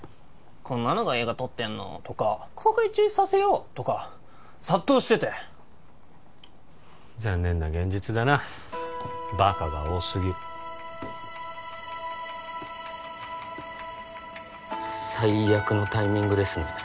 「こんなのが映画撮ってんの？」とか「公開中止させよう」とか殺到してて残念な現実だなバカが多すぎる最悪のタイミングですね